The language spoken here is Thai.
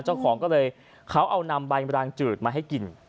เจ้าของก็เลยเขาเอานำใบรางจืดมาให้กิน